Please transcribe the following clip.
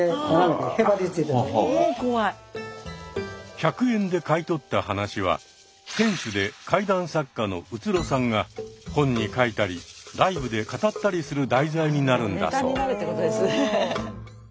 １００円で買い取った話は店主で怪談作家の宇津呂さんが本に書いたりライブで語ったりする題材になるんだそう。